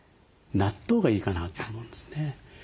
納豆がいいかなと思うんですね。